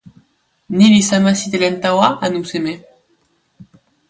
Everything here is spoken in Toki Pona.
ni li sama sitelen tawa anu seme?